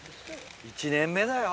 １年目だよ。